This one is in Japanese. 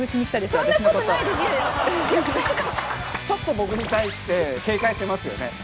ちょっと僕に対して警戒してますよね。